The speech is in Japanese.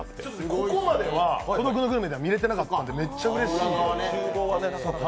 ここまでは「孤独のグルメ」では見れてなかったのでめっちゃうれしい。